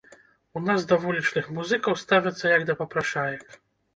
У нас да вулічных музыкаў ставяцца як да папрашаек.